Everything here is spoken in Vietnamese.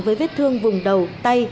với vết thương vùng đầu tay